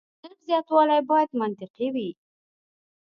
د نرخ زیاتوالی باید منطقي وي.